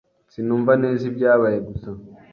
Sinumva neza ibyabaye gusa.